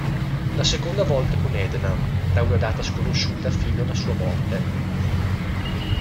La seconda volta con Edna, da una data sconosciuta fino alla sua morte.